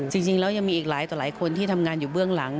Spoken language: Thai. จริงแล้วยังมีอีกหลายต่อหลายคนที่ทำงานอยู่เบื้องหลัง